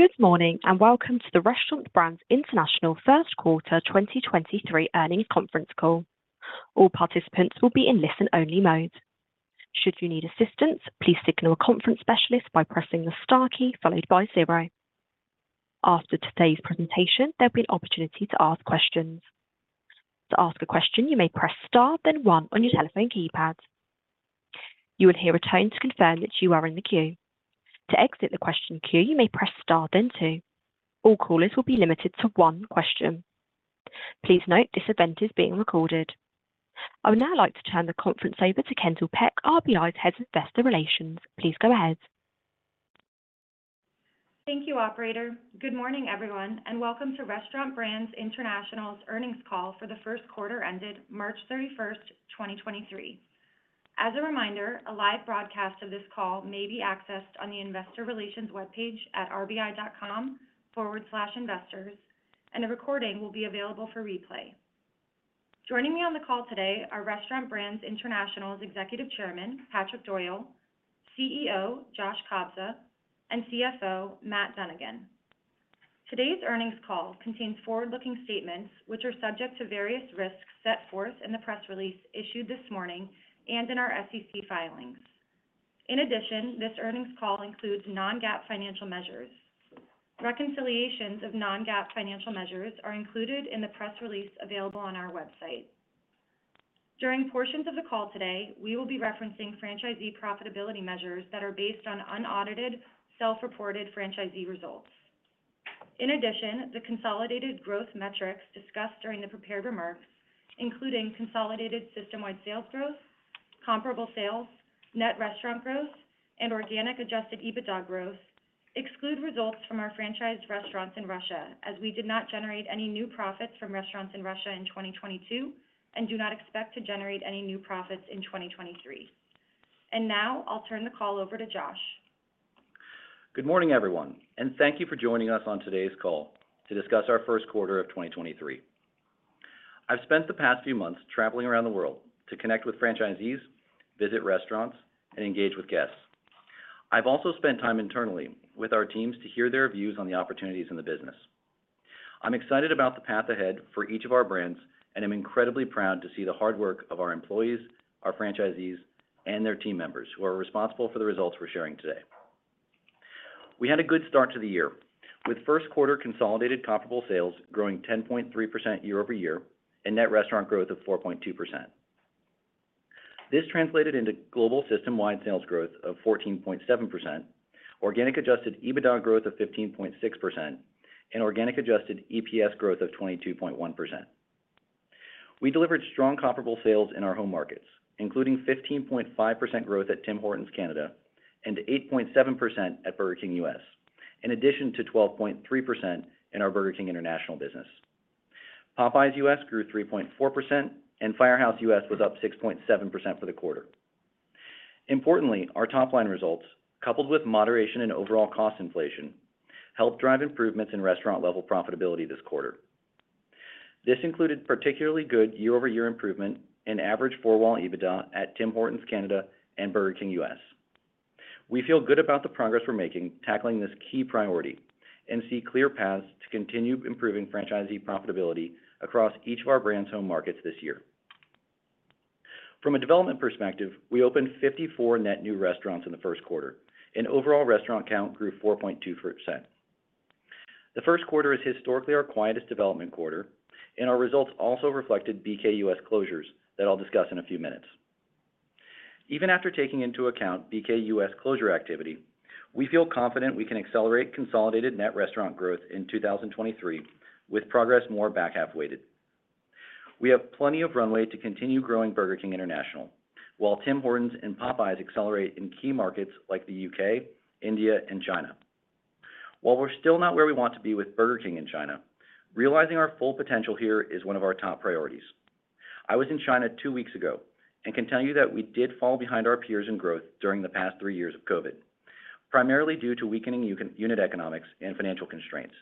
Good morning, and welcome to the Restaurant Brands International first quarter 2023 earnings conference call. All participants will be in listen only mode. Should you need assistance, please signal a conference specialist by pressing the star key followed by zero. After today's presentation, there'll be an opportunity to ask questions. To ask a question, you may press star then one on your telephone keypad. You will hear a tone to confirm that you are in the queue. To exit the question queue, you may press star then two. All callers will be limited to one question. Please note this event is being recorded. I would now like to turn the conference over to Kendall Peck, RBI's Head of Investor Relations. Please go ahead. Thank you, operator. Good morning, everyone, and welcome to Restaurant Brands International's earnings call for the first quarter ended March 31, 2023. As a reminder, a live broadcast of this call may be accessed on the investor relations webpage at rbi.com/investor, and a recording will be available for replay. Joining me on the call today are Restaurant Brands International's Executive Chairman, Patrick Doyle, CEO, Josh Kobza, and CFO, Matt Dunnigan. Today's earnings call contains forward-looking statements which are subject to various risks set forth in the press release issued this morning and in our SEC filings. In addition, this earnings call includes non-GAAP financial measures. Reconciliations of non-GAAP financial measures are included in the press release available on our website. During portions of the call today, we will be referencing franchisee profitability measures that are based on unaudited self-reported franchisee results. In addition, the consolidated growth metrics discussed during the prepared remarks, including consolidated system-wide sales growth, comparable sales, net restaurant growth, and organic adjusted EBITDA growth exclude results from our franchised restaurants in Russia as we did not generate any new profits from restaurants in Russia in 2022 and do not expect to generate any new profits in 2023. Now I'll turn the call over to Josh. Good morning, everyone, and thank you for joining us on today's call to discuss our first quarter of 2023. I've spent the past few months traveling around the world to connect with franchisees, visit restaurants, and engage with guests. I've also spent time internally with our teams to hear their views on the opportunities in the business. I'm excited about the path ahead for each of our brands, and I'm incredibly proud to see the hard work of our employees, our franchisees, and their team members who are responsible for the results we're sharing today. We had a good start to the year with first quarter consolidated comparable sales growing 10.3% year-over-year and net restaurant growth of 4.2%. This translated into global system-wide sales growth of 14.7%, organic adjusted EBITDA growth of 15.6% and organic adjusted EPS growth of 22.1%. We delivered strong comparable sales in our home markets, including 15.5% growth at Tim Hortons Canada and 8.7% at Burger King US, in addition to 12.3% in our Burger King International business. Popeyes US grew 3.4%, Firehouse US was up 6.7% for the quarter. Importantly, our top-line results, coupled with moderation in overall cost inflation, helped drive improvements in restaurant-level profitability this quarter. This included particularly good year-over-year improvement in average four-wall EBITDA at Tim Hortons Canada and Burger King US. We feel good about the progress we're making tackling this key priority and see clear paths to continue improving franchisee profitability across each of our brand's home markets this year. From a development perspective, we opened 54 net new restaurants in the first quarter, and overall restaurant count grew 4.2%. The first quarter is historically our quietest development quarter, and our results also reflected BKUS closures that I'll discuss in a few minutes. Even after taking into account BKUS closure activity, we feel confident we can accelerate consolidated net restaurant growth in 2023 with progress more back-half weighted. We have plenty of runway to continue growing Burger King International while Tim Hortons and Popeyes accelerate in key markets like the U.K., India and China. While we're still not where we want to be with Burger King in China, realizing our full potential here is one of our top priorities. I was in China two weeks ago and can tell you that we did fall behind our peers in growth during the past three years of COVID, primarily due to weakening unit economics and financial constraints.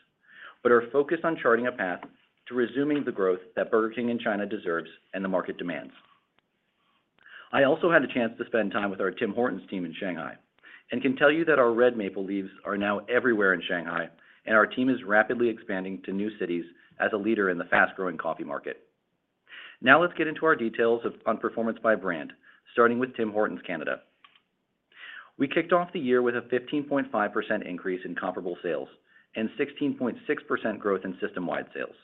Are focused on charting a path to resuming the growth that Burger King in China deserves and the market demands. I also had the chance to spend time with our Tim Hortons team in Shanghai and can tell you that our red maple leaves are now everywhere in Shanghai, and our team is rapidly expanding to new cities as a leader in the fast-growing coffee market. Let's get into our details of on performance by brand, starting with Tim Hortons Canada. We kicked off the year with a 15.5% increase in comparable sales and 16.6% growth in system-wide sales.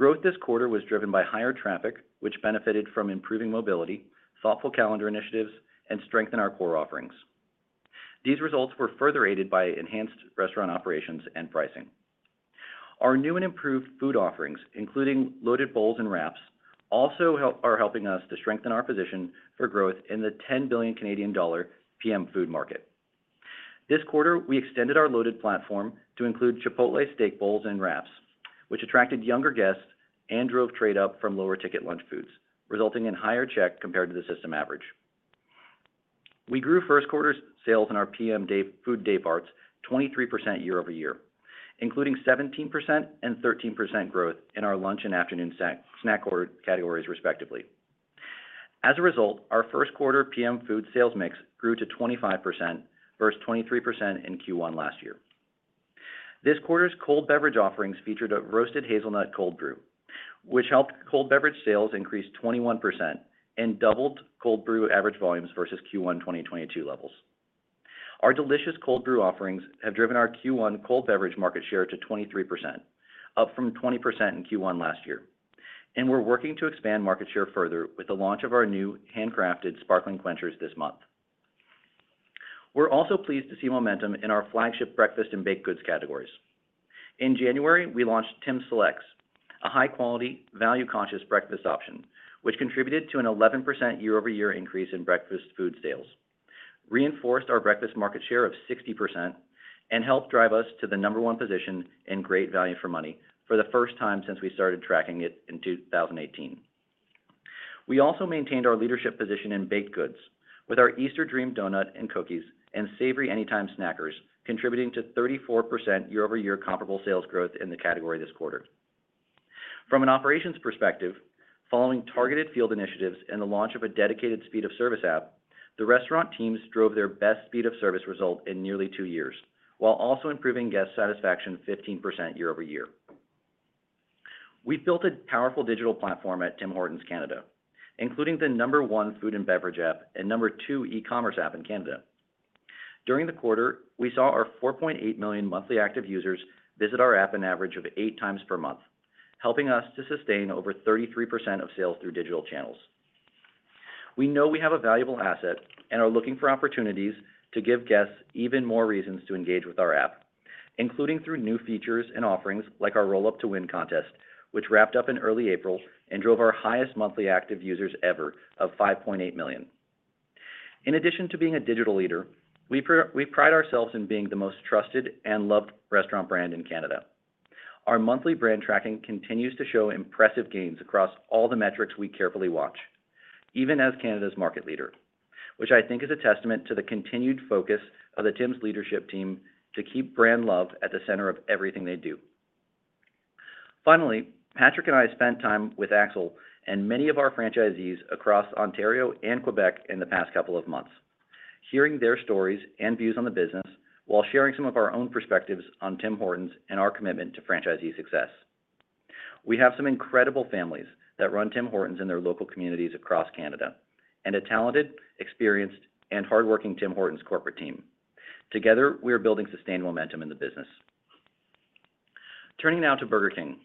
Growth this quarter was driven by higher traffic, which benefited from improving mobility, thoughtful calendar initiatives, and strength in our core offerings. These results were further aided by enhanced restaurant operations and pricing. Our new and improved food offerings, including Loaded Bowls and wraps, are helping us to strengthen our position for growth in the 10 billion Canadian dollar PM food market. This quarter, we extended our loaded platform to include Chipotle Steak bowls and wraps, which attracted younger guests and drove trade up from lower ticket lunch foods, resulting in higher check compared to the system average. We grew first quarter sales in our PM food dayparts 23% year-over-year, including 17% and 13% growth in our lunch and afternoon snack categories, respectively. As a result, our first quarter PM food sales mix grew to 25% versus 23% in Q1 last year. This quarter's cold beverage offerings featured a roasted hazelnut cold brew, which helped cold beverage sales increase 21% and doubled cold brew average volumes versus Q1 2022 levels. Our delicious cold brew offerings have driven our Q1 cold beverage market share to 23%, up from 20% in Q1 last year. We're working to expand market share further with the launch of our new handcrafted Sparkling Quenchers this month. We're also pleased to see momentum in our flagship breakfast and baked goods categories. In January, we launched TimSelects, a high-quality, value-conscious breakfast option, which contributed to an 11% year-over-year increase in breakfast food sales, reinforced our breakfast market share of 60%, and helped drive us to the number one position in great value for money for the first time since we started tracking it in 2018. We also maintained our leadership position in baked goods with our Easter Dream donut and cookies and savory anytime Snackers contributing to 34% year-over-year comparable sales growth in the category this quarter. From an operations perspective, following targeted field initiatives and the launch of a dedicated speed of service app, the restaurant teams drove their best speed of service result in nearly two years, while also improving guest satisfaction 15% year-over-year. We've built a powerful digital platform at Tim Hortons Canada, including the number one food and beverage app and number two e-commerce app in Canada. During the quarter, we saw our 4.8 million monthly active users visit our app an average of 8 times per month, helping us to sustain over 33% of sales through digital channels. We know we have a valuable asset and are looking for opportunities to give guests even more reasons to engage with our app, including through new features and offerings like our Roll Up to Win contest, which wrapped up in early April and drove our highest monthly active users ever of 5.8 million. In addition to being a digital leader, we pride ourselves in being the most trusted and loved restaurant brand in Canada. Our monthly brand tracking continues to show impressive gains across all the metrics we carefully watch, even as Canada's market leader, which I think is a testament to the continued focus of the Tim's leadership team to keep brand love at the center of everything they do. Patrick and I spent time with Axel and many of our franchisees across Ontario and Quebec in the past couple of months, hearing their stories and views on the business while sharing some of our own perspectives on Tim Hortons and our commitment to franchisee success. We have some incredible families that run Tim Hortons in their local communities across Canada and a talented, experienced, and hardworking Tim Hortons corporate team. Together, we are building sustained momentum in the business. Turning now to Burger King,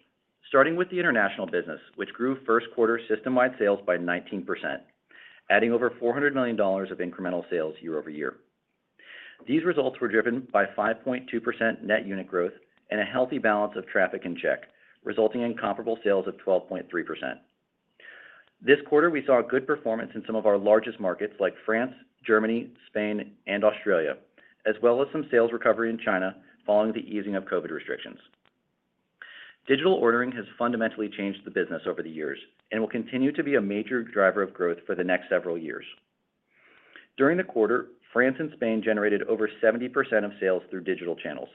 starting with the international business, which grew first quarter system-wide sales by 19%, adding over $400 million of incremental sales year-over-year. These results were driven by 5.2% net unit growth and a healthy balance of traffic in check, resulting in comparable sales of 12.3%. This quarter, we saw good performance in some of our largest markets like France, Germany, Spain, and Australia, as well as some sales recovery in China following the easing of COVID restrictions. Digital ordering has fundamentally changed the business over the years and will continue to be a major driver of growth for the next several years. During the quarter, France and Spain generated over 70% of sales through digital channels.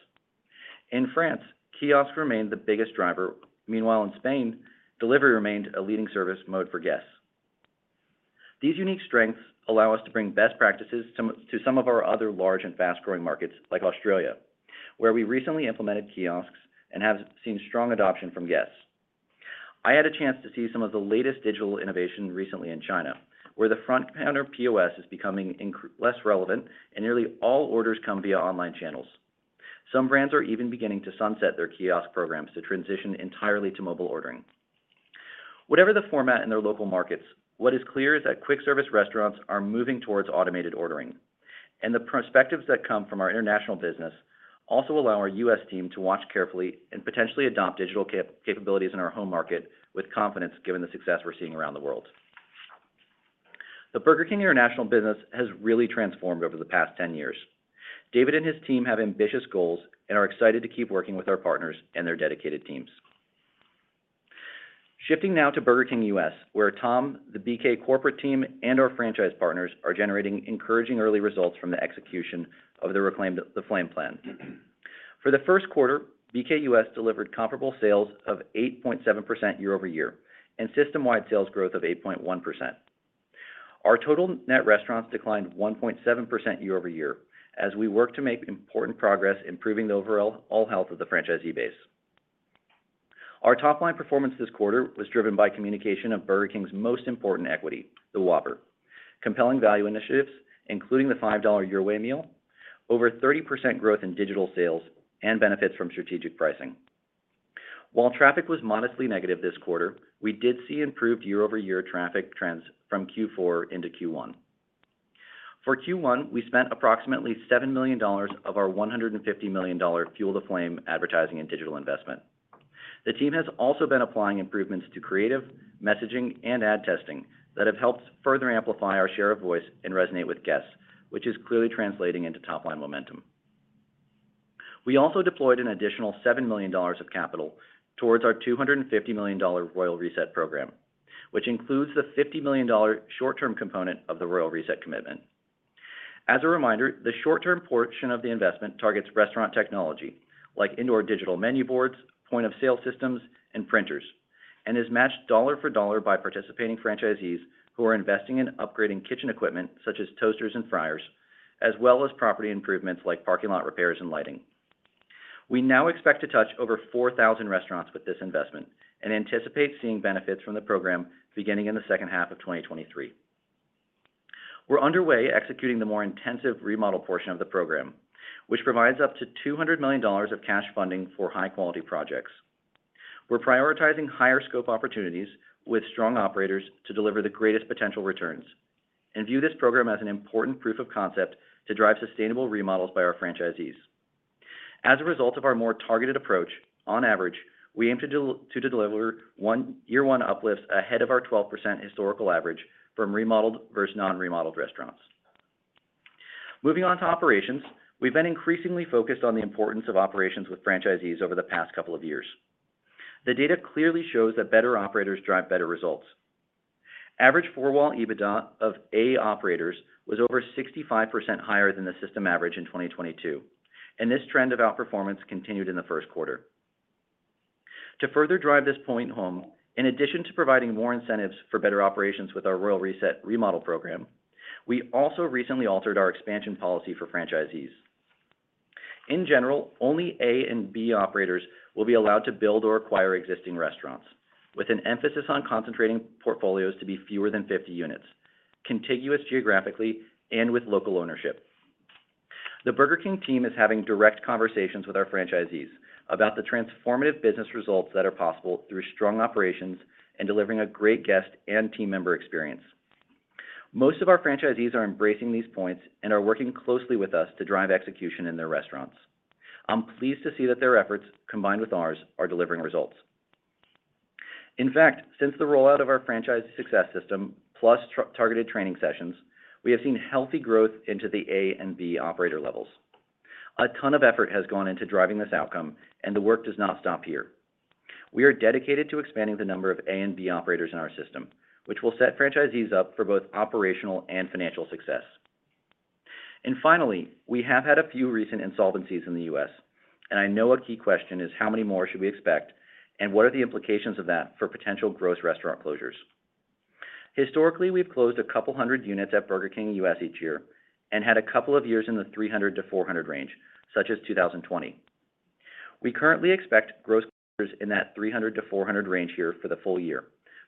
In France, kiosks remained the biggest driver. Meanwhile, in Spain, delivery remained a leading service mode for guests. These unique strengths allow us to bring best practices to some of our other large and fast-growing markets like Australia, where we recently implemented kiosks and have seen strong adoption from guests. I had a chance to see some of the latest digital innovation recently in China, where the front counter POS is becoming less relevant and nearly all orders come via online channels. Some brands are even beginning to sunset their kiosk programs to transition entirely to mobile ordering. Whatever the format in their local markets, what is clear is that quick service restaurants are moving towards automated ordering. The perspectives that come from our international business also allow our U.S. team to watch carefully and potentially adopt digital capabilities in our home market with confidence, given the success we're seeing around the world. The Burger King International business has really transformed over the past 10 years. David and his team have ambitious goals and are excited to keep working with our partners and their dedicated teams. Shifting now to Burger King US, where Tom, the BK corporate team, and our franchise partners are generating encouraging early results from the execution of the Reclaim the Flame plan. For the first quarter, BK US delivered comparable sales of 8.7% year-over-year and system-wide sales growth of 8.1%. Our total net restaurants declined 1.7% year-over-year as we work to make important progress improving the overall health of the franchisee base. Our top line performance this quarter was driven by communication of Burger King's most important equity, the Whopper, compelling value initiatives, including the $5 Your Way Meal, over 30% growth in digital sales, and benefits from strategic pricing. While traffic was modestly negative this quarter, I did see improved year-over-year traffic trends from Q4 into Q1. For Q1, we spent approximately $7 million of our $150 million Fuel the Flame advertising and digital investment. The team has also been applying improvements to creative, messaging, and ad testing that have helped further amplify our share of voice and resonate with guests, which is clearly translating into top-line momentum. We also deployed an additional $7 million of capital towards our $250 million Royal Reset program, which includes the $50 million short-term component of the Royal Reset commitment. As a reminder, the short-term portion of the investment targets restaurant technology like indoor digital menu boards, point of sale systems, and printers, and is matched dollar for dollar by participating franchisees who are investing in upgrading kitchen equipment such as toasters and fryers, as well as property improvements like parking lot repairs and lighting. We now expect to touch over 4,000 restaurants with this investment and anticipate seeing benefits from the program beginning in the second half of 2023. We're underway executing the more intensive remodel portion of the program, which provides up to $200 million of cash funding for high-quality projects. We're prioritizing higher scope opportunities with strong operators to deliver the greatest potential returns and view this program as an important proof of concept to drive sustainable remodels by our franchisees. As a result of our more targeted approach, on average, we aim to deliver year one uplifts ahead of our 12% historical average from remodeled versus non-remodeled restaurants. Moving on to operations, we've been increasingly focused on the importance of operations with franchisees over the past couple of years. The data clearly shows that better operators drive better results. Average four-wall EBITDA of A operators was over 65% higher than the system average in 2022, and this trend of outperformance continued in the first quarter. To further drive this point home, in addition to providing more incentives for better operations with our Royal Reset remodel program, we also recently altered our expansion policy for franchisees. In general, only A and B operators will be allowed to build or acquire existing restaurants, with an emphasis on concentrating portfolios to be fewer than 50 units, contiguous geographically, and with local ownership. The Burger King team is having direct conversations with our franchisees about the transformative business results that are possible through strong operations and delivering a great guest and team member experience. Most of our franchisees are embracing these points and are working closely with us to drive execution in their restaurants. I'm pleased to see that their efforts, combined with ours, are delivering results. In fact, since the rollout of our franchise success system, plus targeted training sessions, we have seen healthy growth into the A and B operator levels. A ton of effort has gone into driving this outcome, and the work does not stop here. We are dedicated to expanding the number of A and B operators in our system, which will set franchisees up for both operational and financial success. Finally, we have had a few recent insolvencies in the U.S., and I know a key question is how many more should we expect, and what are the implications of that for potential gross restaurant closures. Historically, we've closed a couple hundred units at Burger King U.S. each year and had a couple of years in the 300-400 range, such as 2020. We currently expect gross closures in that 300-400 range here for the full year,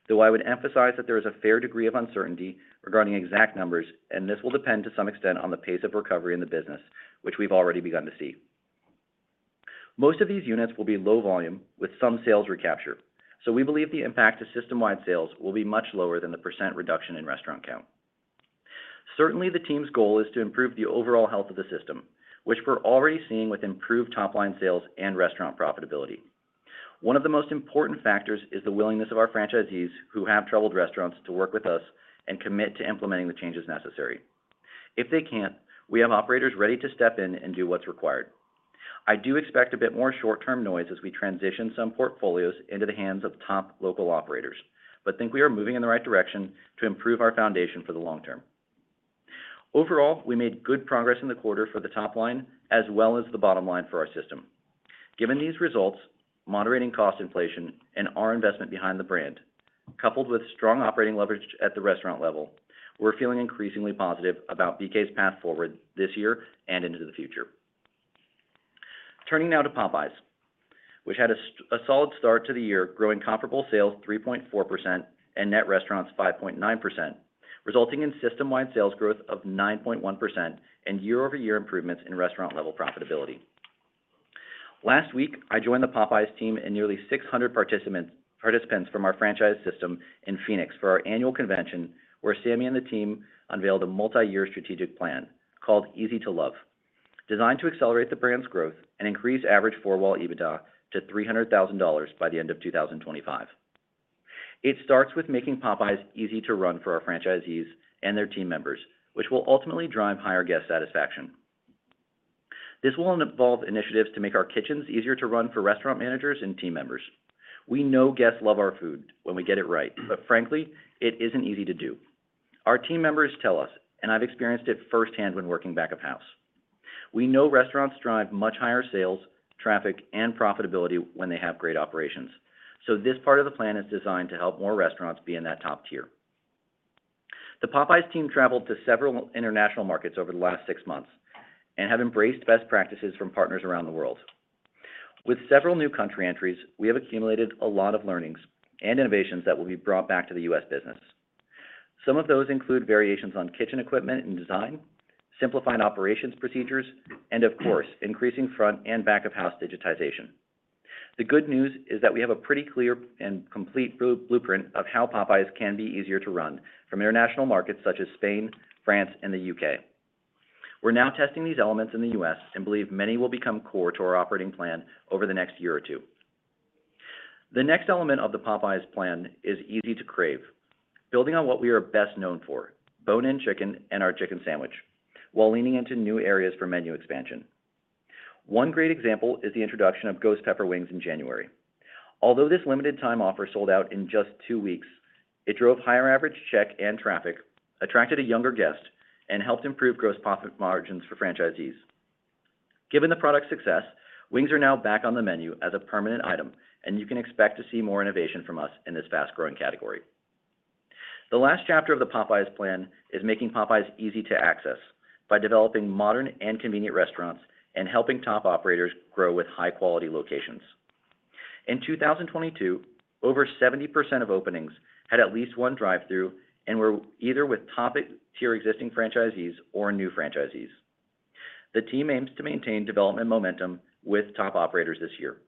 though I would emphasize that there is a fair degree of uncertainty regarding exact numbers, and this will depend to some extent on the pace of recovery in the business, which we've already begun to see. Most of these units will be low volume with some sales recapture. We believe the impact to system-wide sales will be much lower than the % reduction in restaurant count. Certainly, the team's goal is to improve the overall health of the system, which we're already seeing with improved top-line sales and restaurant profitability. One of the most important factors is the willingness of our franchisees who have troubled restaurants to work with us and commit to implementing the changes necessary. If they can't, we have operators ready to step in and do what's required. I do expect a bit more short-term noise as we transition some portfolios into the hands of top local operators, think we are moving in the right direction to improve our foundation for the long term. Overall, we made good progress in the quarter for the top line as well as the bottom line for our system. Given these results, moderating cost inflation, and our investment behind the brand, coupled with strong operating leverage at the restaurant level, we're feeling increasingly positive about BK's path forward this year and into the future. Turning now to Popeyes, which had a solid start to the year, growing comparable sales 3.4% and net restaurants 5.9%, resulting in system-wide sales growth of 9.1% and year-over-year improvements in restaurant-level profitability. Last week, I joined the Popeyes team and nearly 600 participants from our franchise system in Phoenix for our annual convention, where Sammy and the team unveiled a multiyear strategic plan called Easy to Love, designed to accelerate the brand's growth and increase average four-wall EBITDA to $300,000 by the end of 2025. It starts with making Popeyes easy to run for our franchisees and their team members, which will ultimately drive higher guest satisfaction. This will involve initiatives to make our kitchens easier to run for restaurant managers and team members. We know guests love our food when we get it right, frankly, it isn't easy to do. Our team members tell us, I've experienced it firsthand when working back of house. We know restaurants drive much higher sales, traffic, and profitability when they have great operations, this part of the plan is designed to help more restaurants be in that top tier. The Popeyes team traveled to several international markets over the last 6 months and have embraced best practices from partners around the world. With several new country entries, we have accumulated a lot of learnings and innovations that will be brought back to the U.S. business. Some of those include variations on kitchen equipment and design, simplifying operations procedures, and of course, increasing front and back of house digitization. The good news is that we have a pretty clear and complete blueprint of how Popeyes can be easier to run from international markets such as Spain, France, and the U.K. We're now testing these elements in the US and believe many will become core to our operating plan over the next year or two. The next element of the Popeyes plan is easy to crave, building on what we are best known for, bone-in chicken and our chicken sandwich, while leaning into new areas for menu expansion. One great example is the introduction of Ghost Pepper Wings in January. Although this limited time offer sold out in just two weeks, it drove higher average check and traffic, attracted a younger guest, and helped improve gross profit margins for franchisees. Given the product success, wings are now back on the menu as a permanent item, and you can expect to see more innovation from us in this fast-growing category. The last chapter of the Popeyes plan is making Popeyes easy to access by developing modern and convenient restaurants and helping top operators grow with high-quality locations. In 2022, over 70% of openings had at least one drive-thru and were either with topic to your existing franchisees or new franchisees. The team aims to maintain development momentum with top operators this year.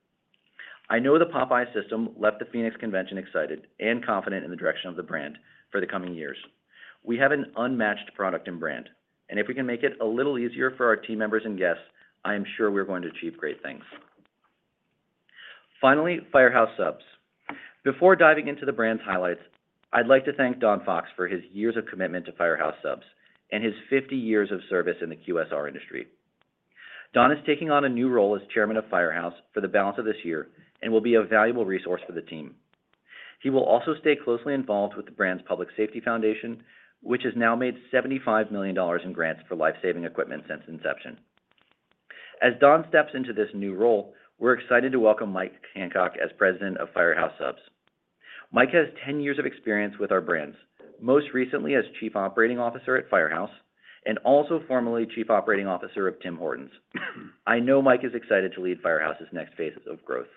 I know the Popeyes system left the Phoenix convention excited and confident in the direction of the brand for the coming years. We have an unmatched product and brand, if we can make it a little easier for our team members and guests, I am sure we're going to achieve great things. Finally, Firehouse Subs. Before diving into the brand highlights, I'd like to thank Don Fox for his years of commitment to Firehouse Subs and his 50 years of service in the QSR industry. Don is taking on a new role as Chairman of Firehouse for the balance of this year and will be a valuable resource for the team. He will also stay closely involved with the brand's Public Safety Foundation, which has now made $75 million in grants for life-saving equipment since inception. As Don steps into this new role, we're excited to welcome Mike Hancock as President of Firehouse Subs. Mike has 10 years of experience with our brands, most recently as Chief Operating Officer at Firehouse and also formerly Chief Operating Officer of Tim Hortons. I know Mike is excited to lead Firehouse's next phases of growth.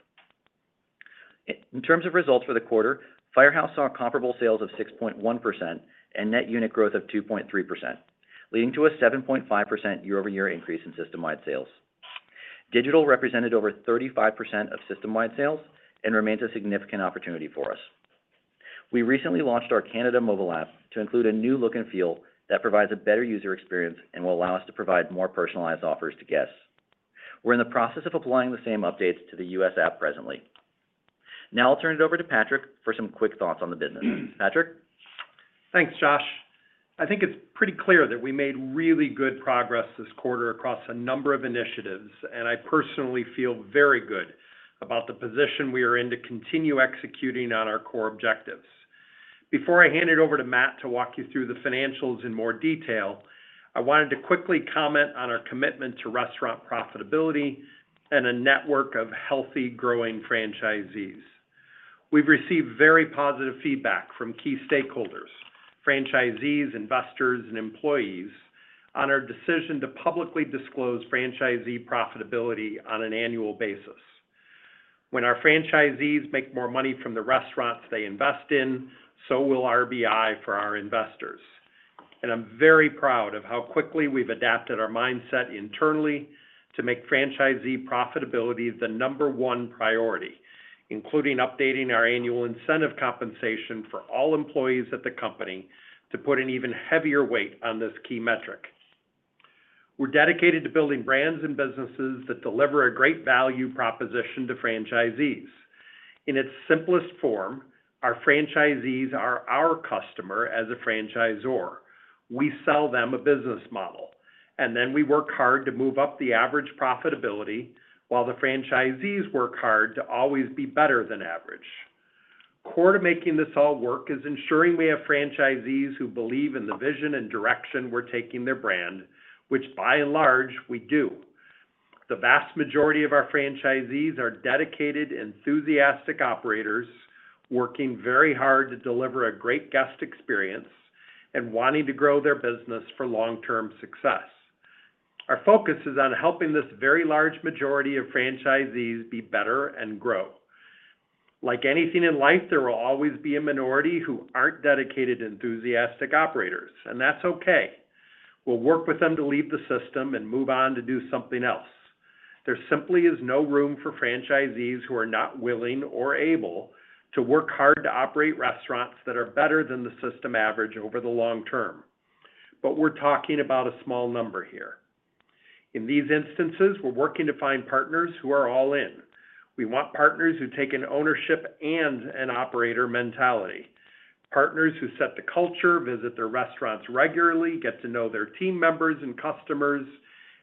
In terms of results for the quarter, Firehouse saw comparable sales of 6.1% and net unit growth of 2.3%, leading to a 7.5% year-over-year increase in system-wide sales. Digital represented over 35% of system-wide sales and remains a significant opportunity for us. We recently launched our Canada mobile app to include a new look and feel that provides a better user experience and will allow us to provide more personalized offers to guests. We're in the process of applying the same updates to the U.S. app presently. I'll turn it over to Patrick for some quick thoughts on the business. Patrick. Thanks, Josh. I think it's pretty clear that we made really good progress this quarter across a number of initiatives. I personally feel very good about the position we are in to continue executing on our core objectives. Before I hand it over to Matt to walk you through the financials in more detail, I wanted to quickly comment on our commitment to restaurant profitability and a network of healthy, growing franchisees. We've received very positive feedback from key stakeholders, franchisees, investors, and employees on our decision to publicly disclose franchisee profitability on an annual basis. When our franchisees make more money from the restaurants they invest in, so will RBI for our investors. I'm very proud of how quickly we've adapted our mindset internally to make franchisee profitability the number 1 priority, including updating our annual incentive compensation for all employees at the company to put an even heavier weight on this key metric. We're dedicated to building brands and businesses that deliver a great value proposition to franchisees. In its simplest form, our franchisees are our customer as a franchisor. We sell them a business model, and then we work hard to move up the average profitability while the franchisees work hard to always be better than average. Core to making this all work is ensuring we have franchisees who believe in the vision and direction we're taking their brand, which by and large, we do. The vast majority of our franchisees are dedicated, enthusiastic operators working very hard to deliver a great guest experience and wanting to grow their business for long-term success. Our focus is on helping this very large majority of franchisees be better and grow. Like anything in life, there will always be a minority who aren't dedicated, enthusiastic operators, and that's okay. We'll work with them to leave the system and move on to do something else. There simply is no room for franchisees who are not willing or able to work hard to operate restaurants that are better than the system average over the long term. We're talking about a small number here. In these instances, we're working to find partners who are all in. We want partners who take an ownership and an operator mentality, partners who set the culture, visit their restaurants regularly, get to know their team members and customers,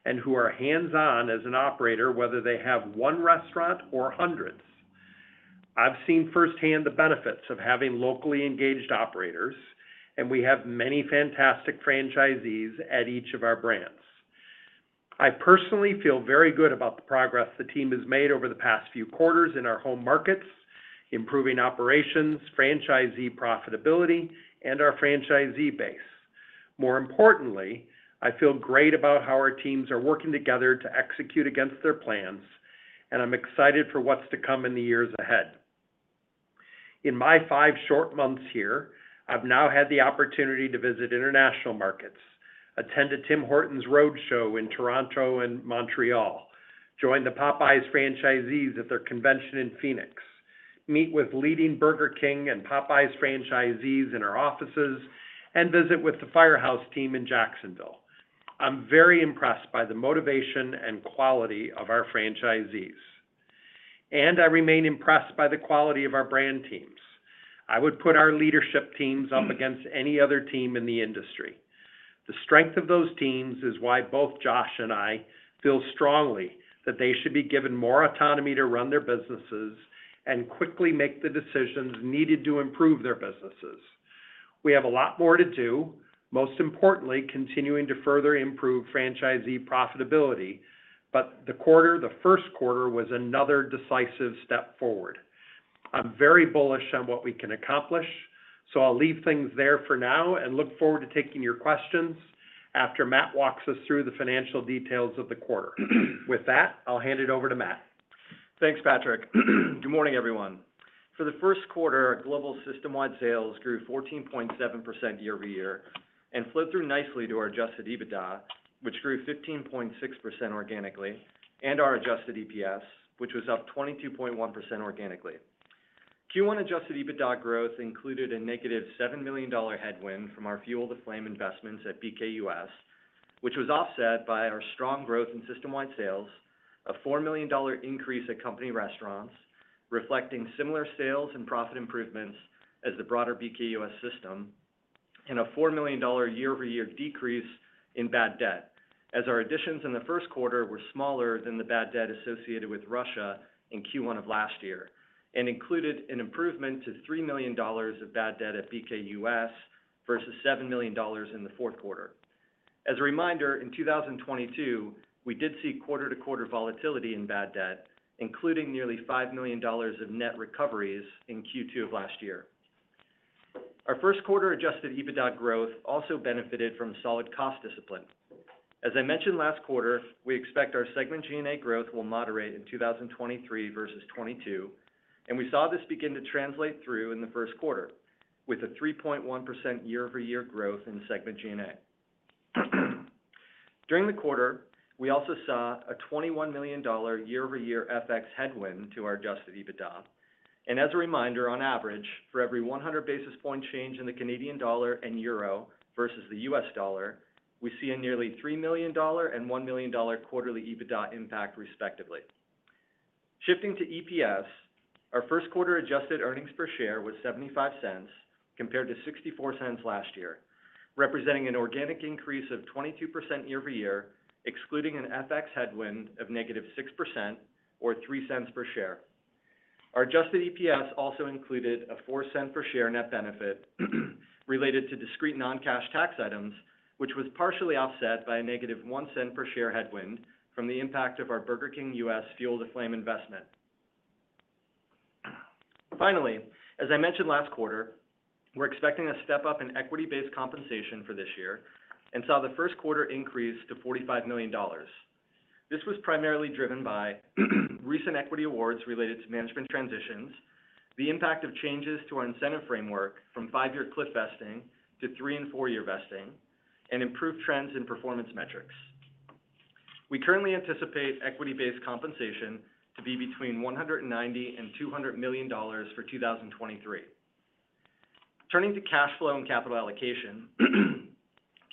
and who are hands-on as an operator, whether they have one restaurant or hundreds. I've seen firsthand the benefits of having locally engaged operators, and we have many fantastic franchisees at each of our brands. I personally feel very good about the progress the team has made over the past few quarters in our home markets, improving operations, franchisee profitability, and our franchisee base. More importantly, I feel great about how our teams are working together to execute against their plans, and I'm excited for what's to come in the years ahead. In my 5 short months here, I've now had the opportunity to visit international markets, attend a Tim Hortons road show in Toronto and Montreal, join the Popeyes franchisees at their convention in Phoenix, meet with leading Burger King and Popeyes franchisees in our offices, and visit with the Firehouse team in Jacksonville. I'm very impressed by the motivation and quality of our franchisees. I remain impressed by the quality of our brand teams. I would put our leadership teams up against any other team in the industry. The strength of those teams is why both Josh and I feel strongly that they should be given more autonomy to run their businesses and quickly make the decisions needed to improve their businesses. We have a lot more to do, most importantly, continuing to further improve franchisee profitability. The quarter, the first quarter, was another decisive step forward. I'm very bullish on what we can accomplish, I'll leave things there for now and look forward to taking your questions after Matt walks us through the financial details of the quarter. With that, I'll hand it over to Matt. Thanks, Patrick. Good morning, everyone. For the 1st quarter, our global system-wide sales grew 14.7% year-over-year and flowed through nicely to our adjusted EBITDA, which grew 15.6% organically, and our adjusted EPS, which was up 22.1% organically. Q1 adjusted EBITDA growth included a negative $7 million headwind from our Fuel the Flame investments at BKUS, which was offset by our strong growth in system-wide sales, a $4 million increase at company restaurants, reflecting similar sales and profit improvements as the broader BKUS system, and a $4 million year-over-year decrease in bad debt, as our additions in the 1st quarter were smaller than the bad debt associated with Russia in Q1 of last year, and included an improvement to $3 million of bad debt at BKUS versus $7 million in the 4th quarter. As a reminder, in 2022, we did see quarter-to-quarter volatility in bad debt, including nearly $5 million of net recoveries in Q2 of last year. Our first quarter adjusted EBITDA growth also benefited from solid cost discipline. As I mentioned last quarter, we expect our segment G&A growth will moderate in 2023 versus 2022. We saw this begin to translate through in the first quarter, with a 3.1% year-over-year growth in segment G&A. During the quarter, we also saw a $21 million year-over-year FX headwind to our adjusted EBITDA. As a reminder, on average, for every 100 basis point change in the Canadian dollar and euro versus the US dollar, we see a nearly $3 million and $1 million quarterly EBITDA impact respectively. Shifting to EPS, our first quarter adjusted earnings per share was $0.75 compared to $0.64 last year, representing an organic increase of 22% year-over-year, excluding an FX headwind of negative 6% or $0.03 per share. Our adjusted EPS also included a $0.04 per share net benefit related to discrete non-cash tax items, which was partially offset by a negative $0.01 per share headwind from the impact of our Burger King US Fuel the Flame investment. Finally, as I mentioned last quarter, we're expecting a step-up in equity-based compensation for this year and saw the first quarter increase to $45 million. This was primarily driven by recent equity awards related to management transitions, the impact of changes to our incentive framework from 5-year cliff vesting to 3 and 4-year vesting, and improved trends in performance metrics. We currently anticipate equity-based compensation to be between $190 million and $200 million for 2023. Turning to cash flow and capital allocation,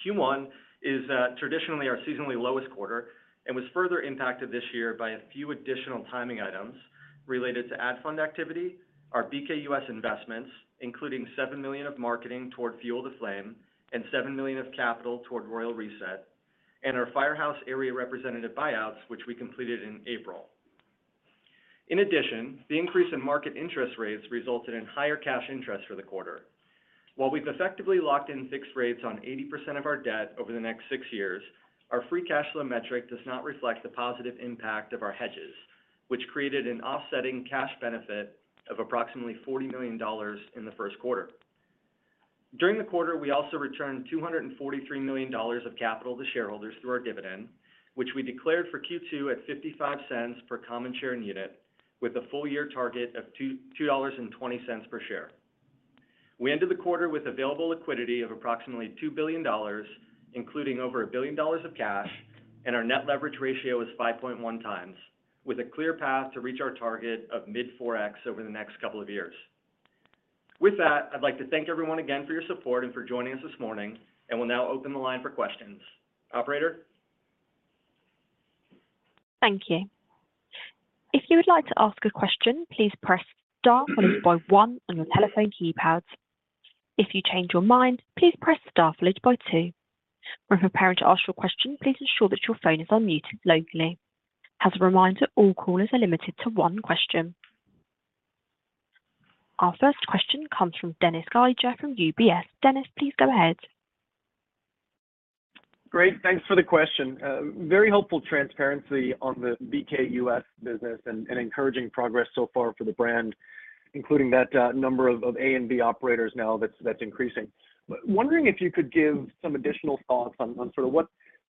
Q1 is traditionally our seasonally lowest quarter and was further impacted this year by a few additional timing items related to ad fund activity, our BKUS investments, including $7 million of marketing toward Fuel to Flame and $7 million of capital toward Royal Reset, and our Firehouse Area Representative buyouts, which we completed in April. The increase in market interest rates resulted in higher cash interest for the quarter. While we've effectively locked in fixed rates on 80% of our debt over the next six years, our free cash flow metric does not reflect the positive impact of our hedges, which created an offsetting cash benefit of approximately $40 million in the first quarter. During the quarter, we also returned $243 million of capital to shareholders through our dividend, which we declared for Q2 at $0.55 per common share unit, with a full year target of $2.20 per share. We ended the quarter with available liquidity of approximately $2 billion, including over $1 billion of cash, and our net leverage ratio is 5.1 times, with a clear path to reach our target of mid 4x over the next couple of years. With that, I'd like to thank everyone again for your support and for joining us this morning, and we'll now open the line for questions. Operator? Thank you. If you would like to ask a question, please press star followed by one on your telephone keypads. If you change your mind, please press star followed by two. When preparing to ask your question, please ensure that your phone is unmuted locally. As a reminder, all callers are limited to one question. Our first question comes from Dennis Geiger from UBS. Dennis, please go ahead. Great. Thanks for the question. Very helpful transparency on the BKUS business and encouraging progress so far for the brand, including that number of A and V operators now that's increasing. Wondering if you could give some additional thoughts on sort of what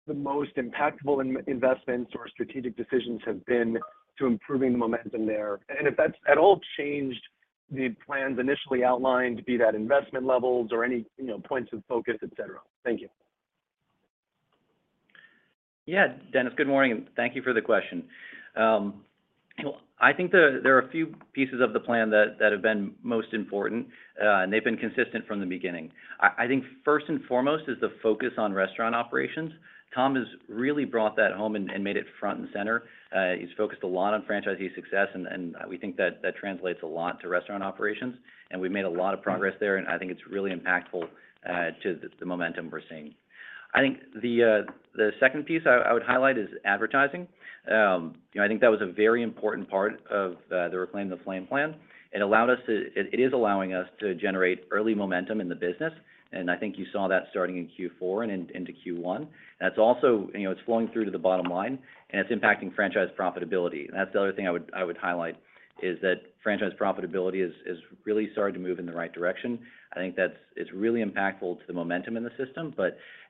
the most impactful investments or strategic decisions have been to improving the momentum there, and if that's at all changed the plans initially outlined, be that investment levels or any, you know, points of focus, et cetera. Thank you. Yeah, Dennis, good morning, and thank you for the question. you know, I think there are a few pieces of the plan that have been most important, and they've been consistent from the beginning. I think first and foremost is the focus on restaurant operations. Tom has really brought that home and made it front and center. he's focused a lot on franchisee success and we think that translates a lot to restaurant operations, and we've made a lot of progress there, and I think it's really impactful to the momentum we're seeing. I think the second piece I would highlight is advertising. you know, I think that was a very important part of the Reclaim the Flame plan. It allowed us to... It is allowing us to generate early momentum in the business, and I think you saw that starting in Q4 and into Q1. That's also. You know, it's flowing through to the bottom line. It's impacting franchise profitability. That's the other thing I would highlight, is that franchise profitability is really starting to move in the right direction. I think that's. It's really impactful to the momentum in the system.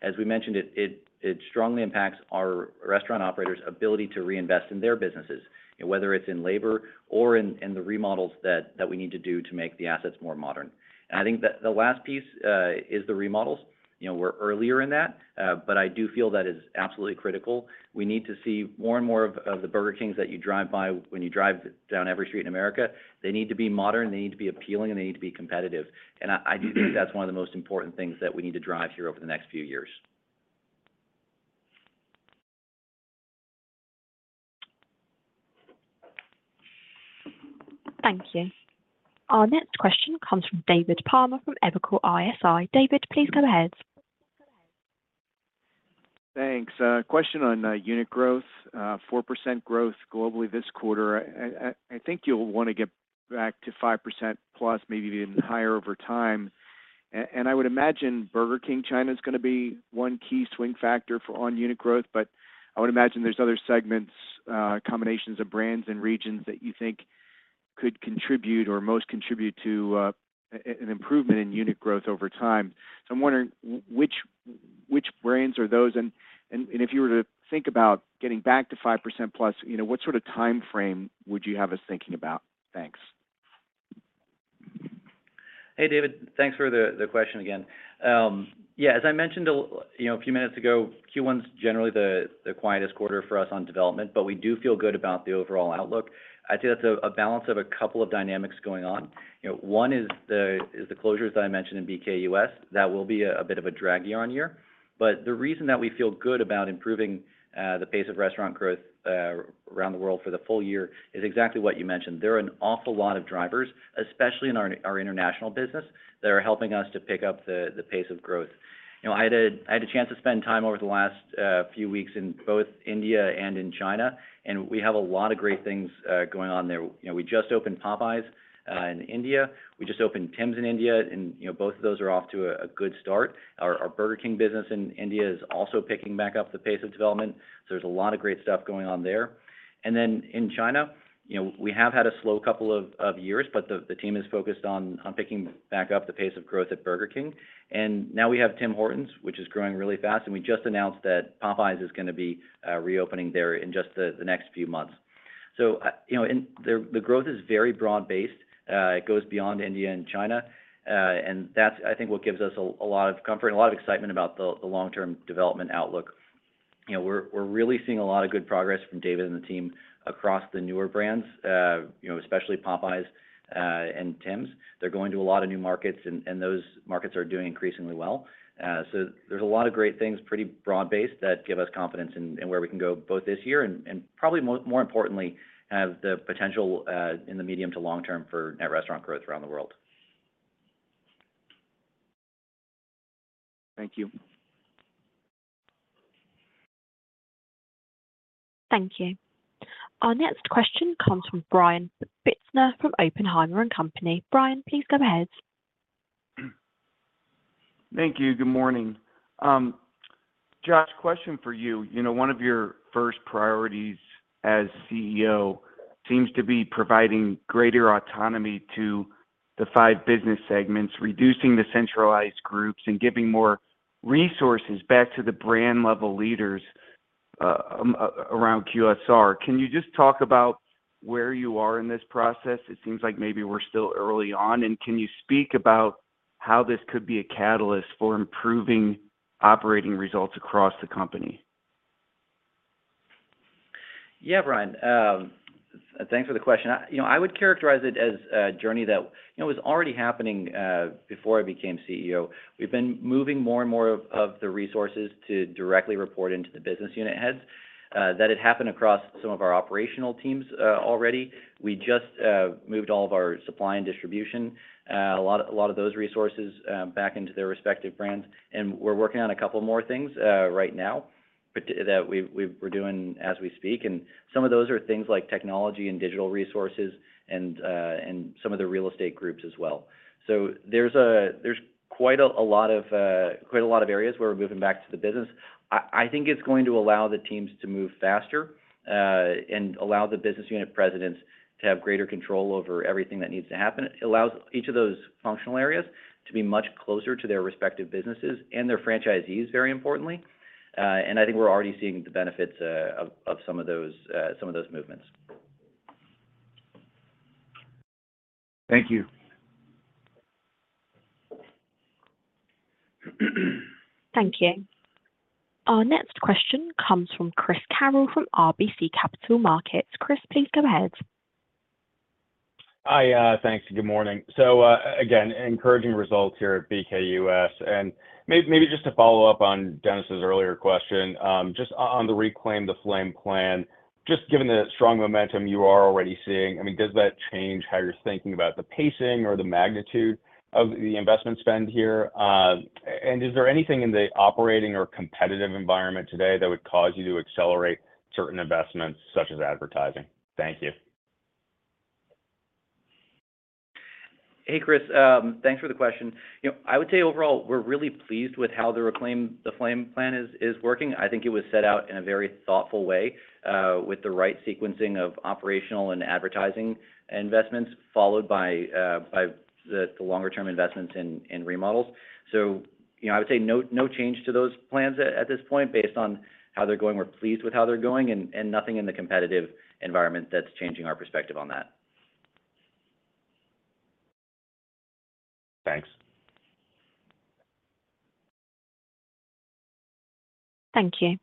As we mentioned, it strongly impacts our restaurant operators' ability to reinvest in their businesses, you know, whether it's in labor or in the remodels that we need to do to make the assets more modern. I think the last piece is the remodels. You know, we're earlier in that, but I do feel that is absolutely critical. We need to see more and more of the Burger Kings that you drive by when you drive down every street in America. They need to be modern, they need to be appealing, and they need to be competitive. I do think that's one of the most important things that we need to drive here over the next few years. Thank you. Our next question comes from David Palmer from Evercore ISI. David, please go ahead. Thanks. A question on unit growth. 4% growth globally this quarter. I think you'll wanna get back to 5%+, maybe even higher over time. I would imagine Burger King China is gonna be one key swing factor on unit growth. I would imagine there's other segments, combinations of brands and regions that you think could contribute or most contribute to an improvement in unit growth over time. I'm wondering which brands are those and if you were to think about getting back to 5%+, you know, what sort of timeframe would you have us thinking about? Thanks. Hey, David. Thanks for the question again. Yeah, as I mentioned you know, a few minutes ago, Q1's generally the quietest quarter for us on development, but we do feel good about the overall outlook. I'd say that's a balance of a couple of dynamics going on. You know, one is the closures that I mentioned in BKUS. That will be a bit of a drag year-on-year. The reason that we feel good about improving the pace of restaurant growth around the world for the full year is exactly what you mentioned. There are an awful lot of drivers, especially in our international business, that are helping us to pick up the pace of growth. You know, I had a chance to spend time over the last few weeks in both India and in China. We have a lot of great things going on there. You know, we just opened Popeyes in India. We just opened Tims in India and, you know, both of those are off to a good start. Our Burger King business in India is also picking back up the pace of development, so there's a lot of great stuff going on there. In China, you know, we have had a slow couple of years, but the team is focused on picking back up the pace of growth at Burger King. Now we have Tim Hortons, which is growing really fast, and we just announced that Popeyes is gonna be reopening there in just the next few months. The growth is very broad-based. It goes beyond India and China, and that's, I think, what gives us a lot of comfort and a lot of excitement about the long-term development outlook. You know, we're really seeing a lot of good progress from David and the team across the newer brands, especially Popeyes, and Tims. They're going to a lot of new markets and those markets are doing increasingly well. There's a lot of great things, pretty broad-based, that give us confidence in where we can go both this year and probably more importantly, the potential in the medium to long term for net restaurant growth around the world. Thank you. Thank you. Our next question comes from Brian Bittner from Oppenheimer & Company. Brian, please go ahead. Thank you. Good morning. Josh, question for you. You know, one of your first priorities as CEO seems to be providing greater autonomy to the five business segments, reducing the centralized groups, and giving more resources back to the brand level leaders, around QSR. Can you just talk about where you are in this process? It seems like maybe we're still early on. Can you speak about how this could be a catalyst for improving operating results across the company? Yeah, Brian. Thanks for the question. You know, I would characterize it as a journey that, you know, was already happening before I became CEO. We've been moving more and more of the resources to directly report into the business unit heads. That had happened across some of our operational teams already. We just moved all of our supply and distribution, a lot of those resources back into their respective brands. We're working on a couple more things right now, but that we've, we're doing as we speak. Some of those are things like technology and digital resources and some of the real estate groups as well. There's quite a lot of quite a lot of areas where we're moving back to the business. I think it's going to allow the teams to move faster, and allow the business unit presidents to have greater control over everything that needs to happen. It allows each of those functional areas to be much closer to their respective businesses and their franchisees, very importantly. I think we're already seeing the benefits of some of those movements. Thank you. Thank you. Our next question comes from Chris Carril from RBC Capital Markets. Chris, please go ahead. Hi, thanks. Good morning. again, encouraging results here at BKUS. maybe just to follow up on Dennis' earlier question, just on the Reclaim the Flame plan, just given the strong momentum you are already seeing, I mean, does that change how you're thinking about the pacing or the magnitude of the investment spend here? Is there anything in the operating or competitive environment today that would cause you to accelerate certain investments such as advertising? Thank you. Hey, Chris. Thanks for the question. You know, I would say overall, we're really pleased with how the Reclaim the Flame plan is working. I think it was set out in a very thoughtful way, with the right sequencing of operational and advertising investments followed by the longer term investments in remodels. You know, I would say no change to those plans at this point based on how they're going. We're pleased with how they're going and nothing in the competitive environment that's changing our perspective on that. Thanks. Thank you.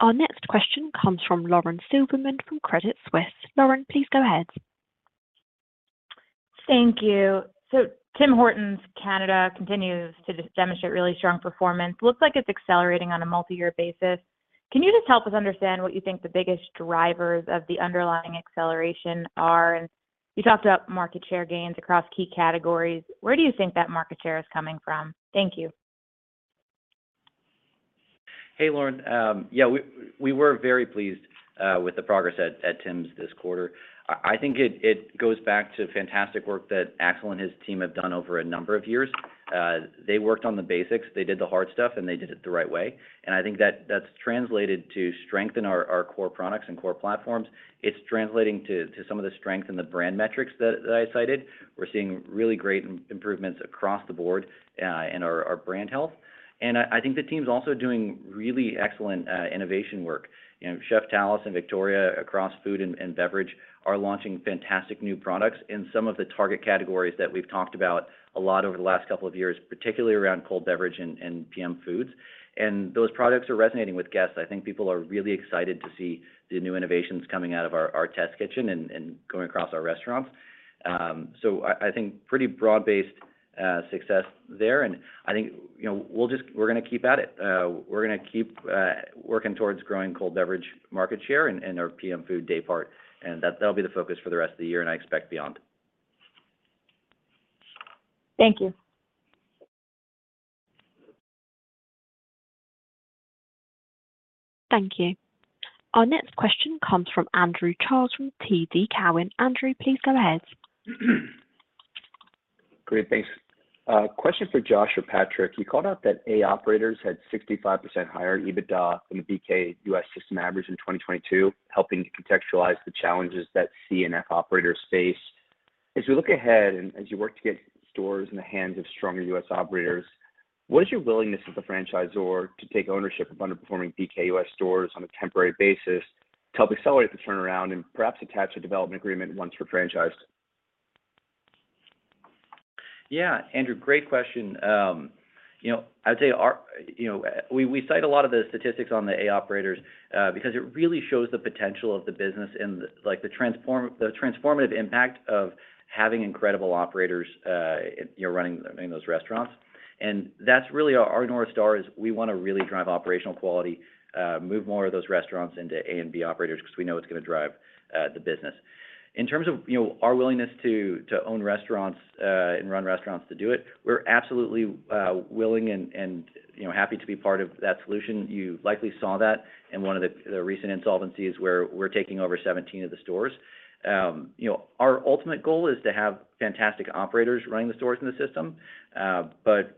Our next question comes from Lauren Silberman from Credit Suisse. Lauren, please go ahead. Thank you. Tim Hortons Canada continues to just demonstrate really strong performance. Looks like it's accelerating on a multi-year basis. Can you just help us understand what you think the biggest drivers of the underlying acceleration are? You talked about market share gains across key categories. Where do you think that market share is coming from? Thank you. Hey, Lauren. Yeah, we were very pleased with the progress at Tim's this quarter. I think it goes back to fantastic work that Axel and his team have done over a number of years. They worked on the basics, they did the hard stuff, and they did it the right way. I think that that's translated to strength in our core products and core platforms. It's translating to some of the strength in the brand metrics that I cited. We're seeing really great improvements across the board in our brand health. I think the team's also doing really excellent innovation work. You know, Chef Tannis and Victoria across food and beverage are launching fantastic new products in some of the target categories that we've talked about a lot over the last couple of years, particularly around cold beverage and PM foods. Those products are resonating with guests. I think people are really excited to see the new innovations coming out of our test kitchen and going across our restaurants. I think pretty broad-based success there. I think, you know, we're gonna keep at it. We're gonna keep working towards growing cold beverage market share and our PM food day part. That'll be the focus for the rest of the year, and I expect beyond. Thank you. Thank you. Our next question comes from Andrew Charles from TD Cowen. Andrew, please go ahead. Great. Thanks. Question for Josh or Patrick. You called out that A operators had 65% higher EBITDA than the BKUS system average in 2022, helping to contextualize the challenges that C and F operators face. As you look ahead and as you work to get stores in the hands of stronger U.S. operators, what is your willingness as a franchisor to take ownership of underperforming BKUS stores on a temporary basis to help accelerate the turnaround and perhaps attach a development agreement once you're franchised? Yeah, Andrew, great question. You know, I would say You know, we cite a lot of the statistics on the A operators because it really shows the potential of the business and the like the transformative impact of having incredible operators, you know, running those restaurants. That's really our North Star is we wanna really drive operational quality, move more of those restaurants into A and B operators 'cause we know it's gonna drive the business. In terms of, you know, our willingness to own restaurants and run restaurants to do it, we're absolutely willing and, you know, happy to be part of that solution. You likely saw that in one of the recent insolvencies where we're taking over 17 of the stores. You know, our ultimate goal is to have fantastic operators running the stores in the system.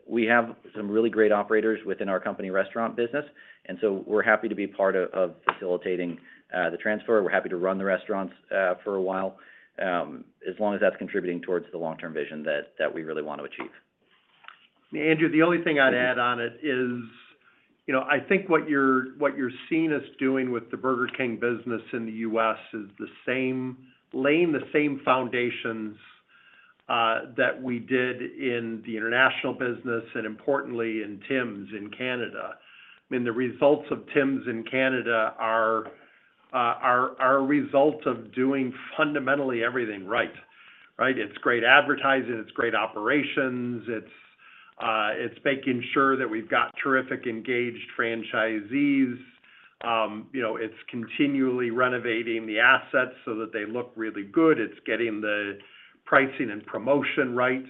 We have some really great operators within our company restaurant business, and so we're happy to be part of facilitating the transfer. We're happy to run the restaurants for a while, as long as that's contributing towards the long-term vision that we really want to achieve. Andrew, the only thing I'd add on it is, you know, I think what you're seeing us doing with the Burger King business in the U.S. is laying the same foundations that we did in the international business, and importantly in Tim's in Canada. I mean, the results of Tim's in Canada are a result of doing fundamentally everything right? It's great advertising, it's great operations, it's making sure that we've got terrific engaged franchisees. You know, it's continually renovating the assets so that they look really good. It's getting the pricing and promotion right.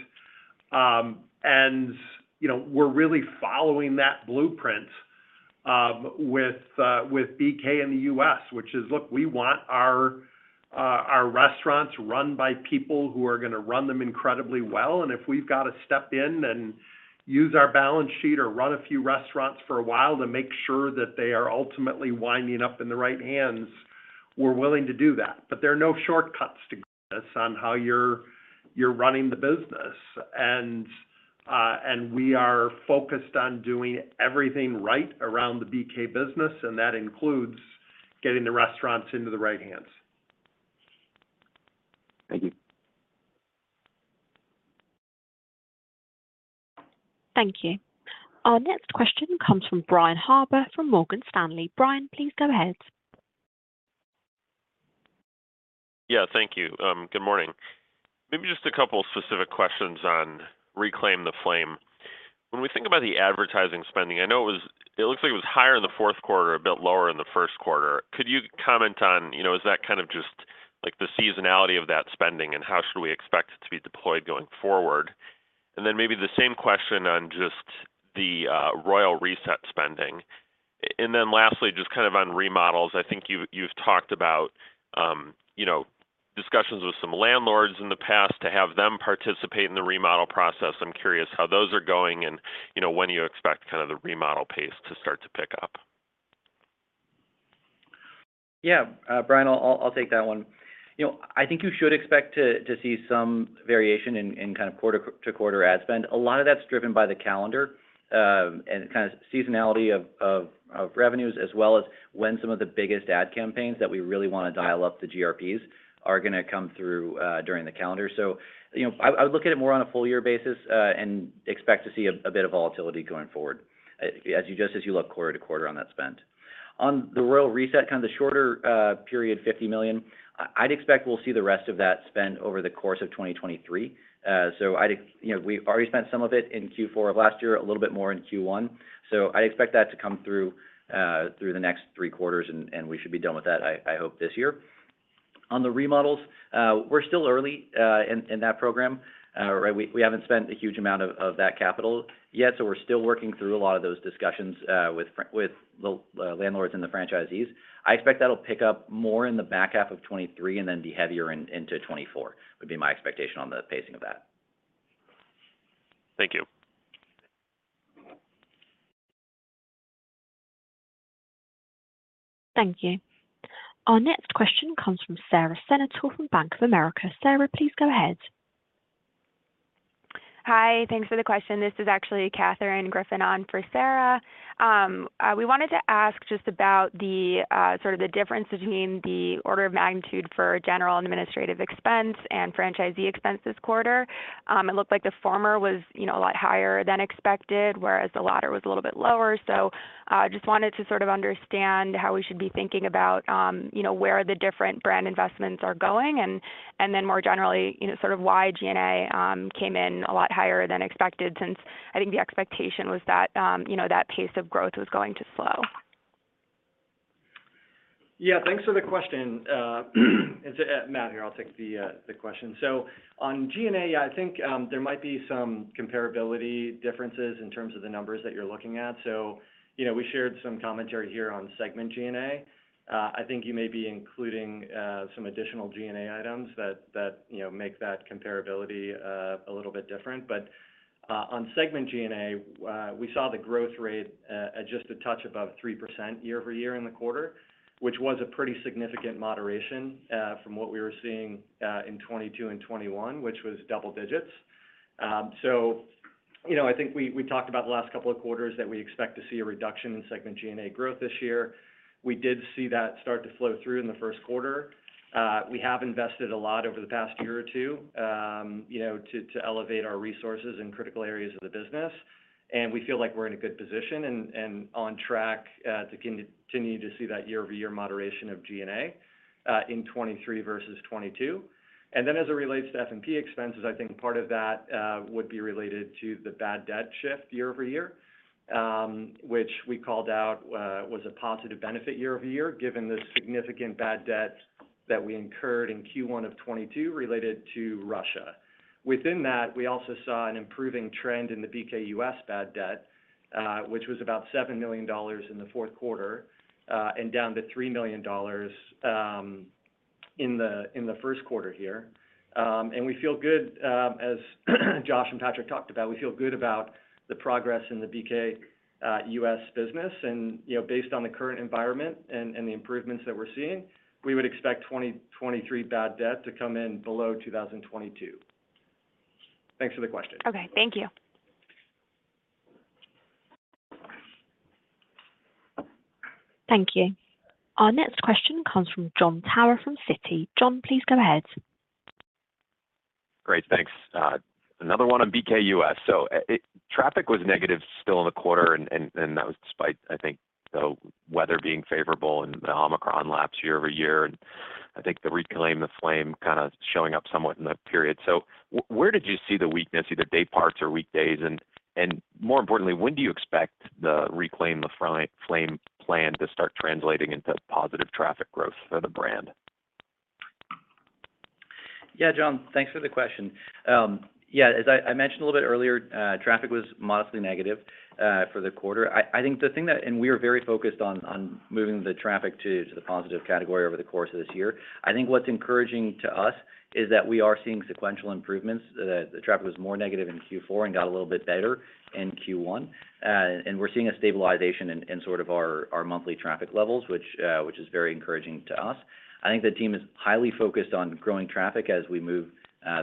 You know, we're really following that blueprint with BK in the U.S., which is, look, we want our restaurants run by people who are gonna run them incredibly well. If we've got to step in and use our balance sheet or run a few restaurants for a while to make sure that they are ultimately winding up in the right hands, we're willing to do that. There are no shortcuts to this on how you're running the business. We are focused on doing everything right around the BK business, and that includes getting the restaurants into the right hands. Thank you. Thank you. Our next question comes from Brian Harbour from Morgan Stanley. Brian, please go ahead. Yeah, thank you. Good morning. Maybe just a couple specific questions on Reclaim the Flame. When we think about the advertising spending, I know it looks like it was higher in the fourth quarter, a bit lower in the first quarter. Could you comment on, you know, is that kind of just like the seasonality of that spending, and how should we expect it to be deployed going forward? Maybe the same question on just the Royal Reset spending. Lastly, just kind of on remodels, I think you've talked about, you know, discussions with some landlords in the past to have them participate in the remodel process. I'm curious how those are going and, you know, when you expect kind of the remodel pace to start to pick up. Yeah. Brian, I'll take that one. You know, I think you should expect to see some variation in kind of quarter-to-quarter ad spend. A lot of that's driven by the calendar, and kind of seasonality of revenues, as well as when some of the biggest ad campaigns that we really wanna dial up to GRPs are gonna come through during the calendar. You know, I would look at it more on a full year basis, and expect to see a bit of volatility going forward, as you just as you look quarter-to-quarter on that spend. On the Royal Reset, kind of the shorter period, $50 million, I'd expect we'll see the rest of that spend over the course of 2023. You know, we've already spent some of it in Q4 of last year, a little bit more in Q1. I expect that to come through through the next three quarters and we should be done with that, I hope this year. On the remodels, we're still early in that program. Right? We haven't spent a huge amount of that capital yet, so we're still working through a lot of those discussions with the landlords and the franchisees. I expect that'll pick up more in the back half of 2023 and then be heavier into 2024, would be my expectation on the pacing of that. Thank you. Thank you. Our next question comes from Sara Senatore from Bank of America. Sara, please go ahead. Hi. Thanks for the question. This is actually Catherine Griffin on for Sarah. We wanted to ask just about the sort of the difference between the order of magnitude for general and administrative expense and franchisee expense this quarter. It looked like the former was, you know, a lot higher than expected, whereas the latter was a little bit lower. Just wanted to sort of understand how we should be thinking about, you know, where the different brand investments are going, and then more generally, you know, sort of why G&A came in a lot higher than expected, since I think the expectation was that, you know, that pace of growth was going to slow. Yeah. Thanks for the question. It's Matt here. I'll take the question. On G&A, I think there might be some comparability differences in terms of the numbers that you're looking at. You know, we shared some commentary here on segment G&A. I think you may be including some additional G&A items that, you know, make that comparability a little bit different. On segment G&A, we saw the growth rate at just a touch above 3% year-over-year in the quarter, which was a pretty significant moderation from what we were seeing in 2022 and 2021, which was double digits. You know, I think we talked about the last couple of quarters that we expect to see a reduction in segment G&A growth this year. We did see that start to flow through in the first quarter. We have invested a lot over the past year or 2, you know, to elevate our resources in critical areas of the business, and we feel like we're in a good position and on track to continue to see that year-over-year moderation of G&A in 2023 versus 2022. As it relates to SG&A expenses, I think part of that would be related to the bad debt shift year-over-year, which we called out, was a positive benefit year-over-year, given the significant bad debt that we incurred in Q1 of 2022 related to Russia. Within that, we also saw an improving trend in the BKUS bad debt, which was about $7 million in the fourth quarter, and down to $3 million in the first quarter here. We feel good, as Josh and Patrick talked about, we feel good about the progress in the BKUS business. You know, based on the current environment and the improvements that we're seeing, we would expect 2023 bad debt to come in below 2022. Thanks for the question. Okay, thank you. Thank you. Our next question comes from Jon Tower from Citi. Jon, please go ahead. Great. Thanks. Another one on BK US. Traffic was negative still in the quarter, and that was despite, I think, the weather being favorable and the Omicron lapse year-over-year, and I think the Reclaim the Flame kinda showing up somewhat in the period. Where did you see the weakness, either dayparts or weekdays? More importantly, when do you expect the Reclaim the Flame plan to start translating into positive traffic growth for the brand? Yeah, John, thanks for the question. As I mentioned a little bit earlier, traffic was modestly negative for the quarter. I think we are very focused on moving the traffic to the positive category over the course of this year. I think what's encouraging to us is that we are seeing sequential improvements. The traffic was more negative in Q4 and got a little bit better in Q1. We're seeing a stabilization in sort of our monthly traffic levels, which is very encouraging to us. I think the team is highly focused on growing traffic as we move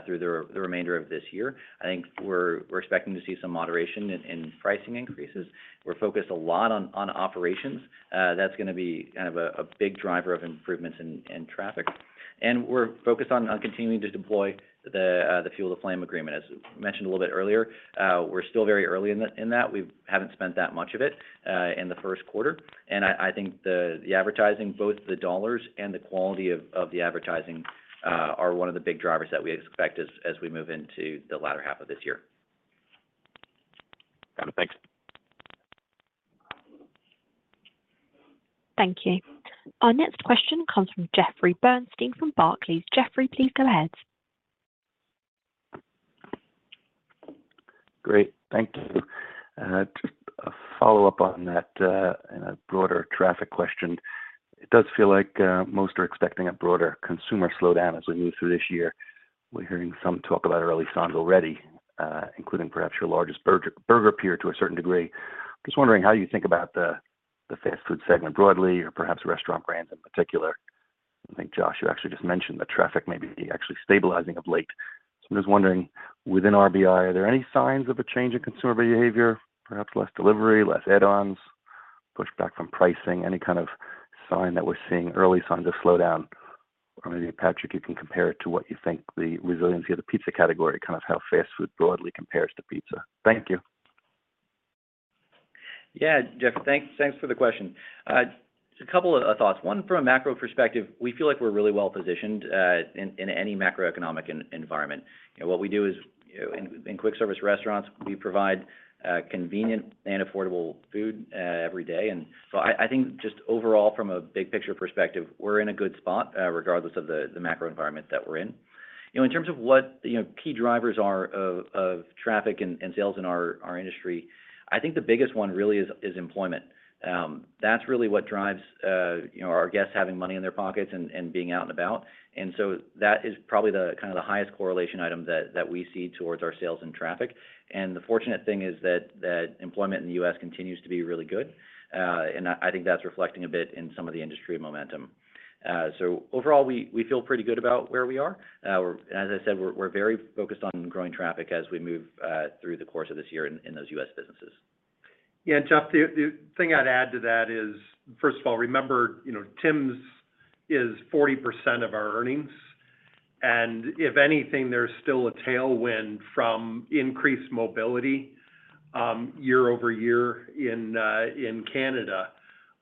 through the remainder of this year. I think we're expecting to see some moderation in pricing increases. We're focused a lot on operations. That's gonna be kind of a big driver of improvements in traffic. We're focused on continuing to deploy the Fuel the Flame agreement. As mentioned a little bit earlier, we're still very early in that. We haven't spent that much of it in the first quarter. I think the advertising, both the dollars and the quality of the advertising, are one of the big drivers that we expect as we move into the latter half of this year. Got it. Thanks. Thank you. Our next question comes from Jeffrey Bernstein from Barclays. Jeffrey, please go ahead. Great. Thank you. Just a follow-up on that, in a broader traffic question. It does feel like most are expecting a broader consumer slowdown as we move through this year. We're hearing some talk about early signs already, including perhaps your largest burger peer to a certain degree. Just wondering how you think about the fast food segment broadly or perhaps Restaurant Brands in particular. I think, Josh, you actually just mentioned that traffic may be actually stabilizing of late. I'm just wondering, within RBI, are there any signs of a change in consumer behavior? Perhaps less delivery, less add-ons, pushback from pricing, any kind of sign that we're seeing early signs of slowdown? Maybe, Patrick, you can compare it to what you think the resiliency of the pizza category, kind of how fast food broadly compares to pizza. Thank you. Yeah. Jeff, thanks for the question. Just a couple of thoughts. One, from a macro perspective, we feel like we're really well positioned in any macroeconomic environment. You know, what we do is, you know, in quick service restaurants, we provide convenient and affordable food every day. I think just overall from a big picture perspective, we're in a good spot regardless of the macro environment that we're in. You know, in terms of what, you know, key drivers are of traffic and sales in our industry, I think the biggest one really is employment. That's really what drives, you know, our guests having money in their pockets and being out and about. That is probably the kind of the highest correlation item that we see towards our sales and traffic. The fortunate thing is that employment in the U.S. continues to be really good. I think that's reflecting a bit in some of the industry momentum. Overall, we feel pretty good about where we are. As I said, we're very focused on growing traffic as we move through the course of this year in those U.S. businesses. Yeah. Jeff, the thing I'd add to that is, first of all, remember, you know, Tim's is 40% of our earnings, and if anything, there's still a tailwind from increased mobility, year-over-year in Canada.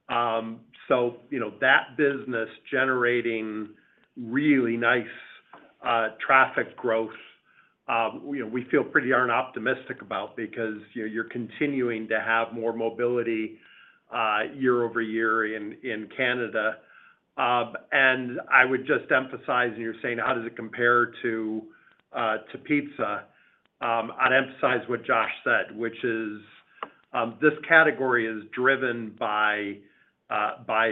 You know, that business generating really nice traffic growth, you know, we feel pretty darn optimistic about because, you know, you're continuing to have more mobility, year-over-year in Canada. I would just emphasize, and you're saying how does it compare to pizza. I'd emphasize what Josh said, which is, this category is driven by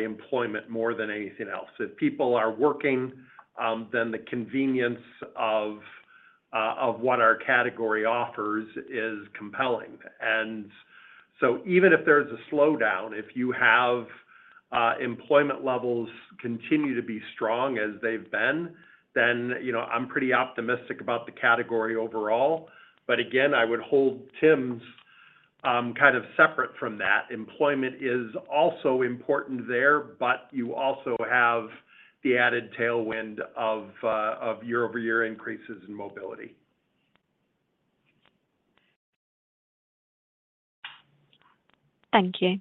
employment more than anything else. If people are working, then the convenience of what our category offers is compelling. Even if there's a slowdown, if you have employment levels continue to be strong as they've been, then, you know, I'm pretty optimistic about the category overall. Again, I would hold Tim's kind of separate from that. Employment is also important there, you also have the added tailwind of year-over-year increases in mobility. Thank you.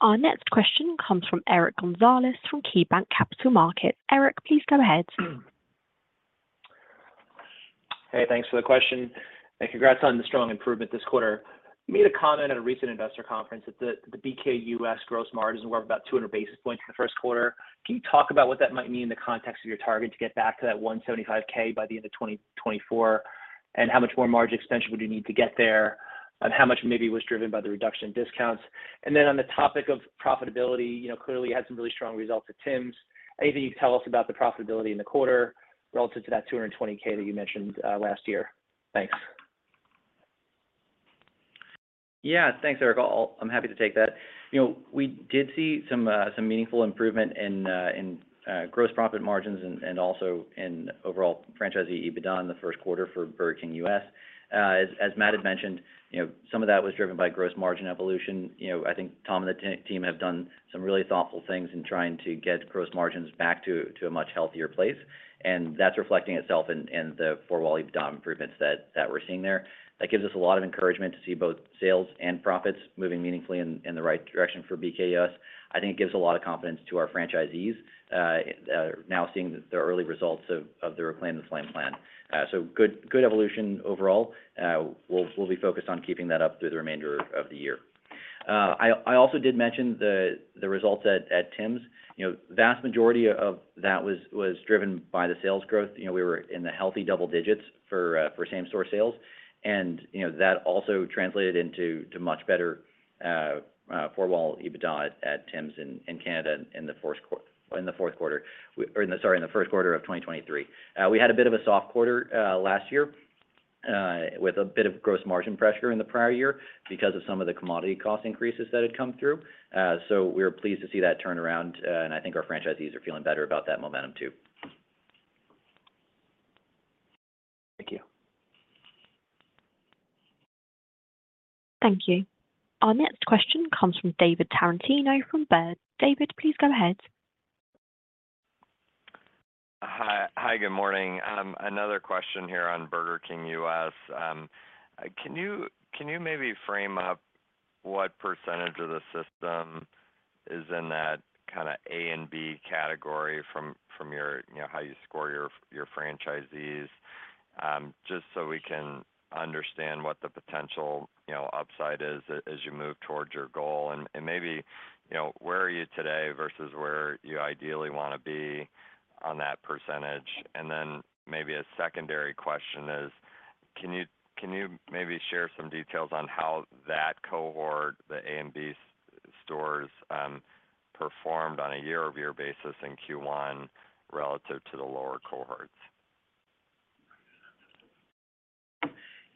Our next question comes from Eric Gonzalez from KeyBanc Capital Markets. Eric, please go ahead. Hey, thanks for the question, and congrats on the strong improvement this quarter. You made a comment at a recent investor conference that the BKUS gross margin is worth about 200 basis points for the first quarter. Can you talk about what that might mean in the context of your target to get back to that $175K by the end of 2024? How much more margin expansion would you need to get there? How much maybe was driven by the reduction in discounts? On the topic of profitability, you know, clearly you had some really strong results at Tim's. Anything you can tell us about the profitability in the quarter relative to that $220K that you mentioned last year? Thanks. Yeah. Thanks, Eric. I'm happy to take that. You know, we did see some meaningful improvement in gross profit margins and also in overall franchisee EBITDA in the first quarter for Burger King US. As Matt had mentioned, you know, some of that was driven by gross margin evolution. You know, I think Tom and the team have done some really thoughtful things in trying to get gross margins back to a much healthier place, and that's reflecting itself in the four-wall EBITDA improvements that we're seeing there. That gives us a lot of encouragement to see both sales and profits moving meaningfully in the right direction for BKUS. I think it gives a lot of confidence to our franchisees now seeing the early results of the Reclaim the Flame plan. Good, good evolution overall. We'll be focused on keeping that up through the remainder of the year. I also did mention the results at Tims. You know, vast majority of that was driven by the sales growth. You know, we were in the healthy double digits for same store sales. You know, that also translated into much better four-wall EBITDA at Tims in Canada in the fourth quarter. Or no, sorry, in the first quarter of 2023. We had a bit of a soft quarter last year with a bit of gross margin pressure in the prior year because of some of the commodity cost increases that had come through. We were pleased to see that turn around. I think our franchisees are feeling better about that momentum too. Thank you. Thank you. Our next question comes from David Tarantino from Baird. David, please go ahead. Hi, good morning. Another question here on Burger King US. Can you maybe frame up what percentage of the system is in that kinda A and B category from your, you know, how you score your franchisees? Just so we can understand what the potential, you know, upside is as you move towards your goal. Maybe, you know, where are you today versus where you ideally wanna be on that percentage. Then maybe a secondary question is, can you maybe share some details on how that cohort, the A and B stores, performed on a year-over-year basis in Q1 relative to the lower cohorts?